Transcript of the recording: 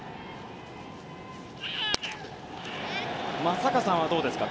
松坂さんはどうですか？